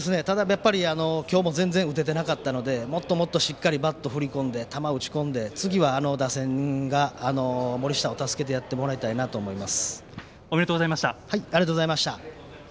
きょうも全然打ててなかったのでもっともっと、しっかりバット振りこんで球投げ込んで次は打線が森下を助けてやってもらいたいなと思います。